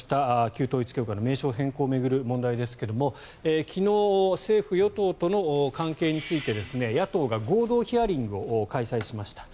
旧統一教会の名称変更を巡る問題ですが昨日政府・与党との関係について野党が合同ヒアリングを開催しました。